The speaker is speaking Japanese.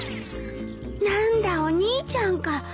何だお兄ちゃんか。